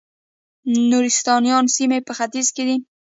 د نورستانیانو سیمې په ختیځ کې دي